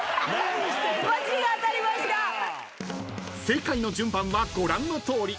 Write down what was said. ［正解の順番はご覧のとおり］